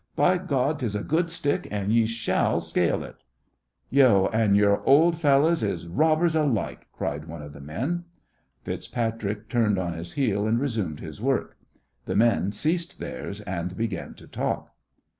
By God, 'tis a good stick, an' ye shall scale it!" "Yo' and yore Old Fellows is robbers alike!" cried one of the men. FitzPatrick turned on his heel and resumed his work. The men ceased theirs and began to talk.